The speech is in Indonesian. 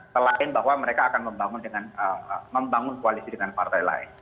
selain bahwa mereka akan membangun koalisi dengan partai lain